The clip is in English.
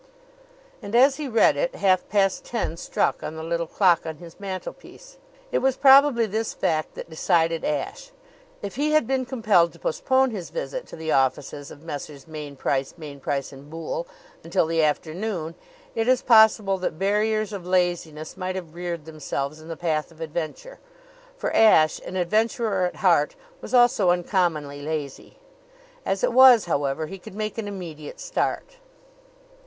And as he read it, half past ten struck on the little clock on his mantelpiece. It was probably this fact that decided Ashe. If he had been compelled to postpone his visit to the offices of Messrs. Mainprice, Mainprice & Boole until the afternoon, it is possible that barriers of laziness might have reared themselves in the path of adventure; for Ashe, an adventurer at heart, was also uncommonly lazy. As it was, however, he could make an immediate start.